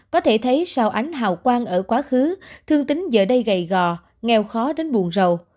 có thể thấy sau ánh hào quang ở quá khứ thương tín giờ đây gầy gò nghèo khó đến buồn rầu